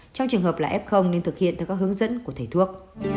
trong trường hợp là f nên thực hiện theo các hướng dẫn của thầy thuốc